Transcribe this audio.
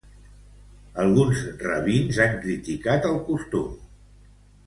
Alguns rabins han criticat el costum.